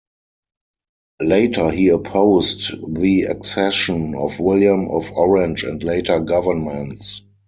Later he opposed the accession of William of Orange and later governments.